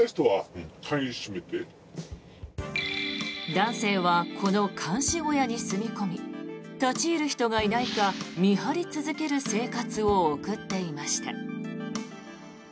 男性はこの監視小屋に住み込み立ち入る人がいないか見張り続ける生活を送っていました。